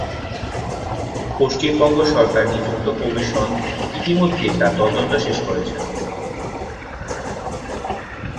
পশ্চিমবঙ্গ সরকার নিযুক্ত কমিশন ইতিমধ্যেই তার তদন্ত শেষ করেছে।